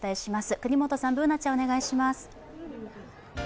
國本さん、Ｂｏｏｎａちゃんお願いします。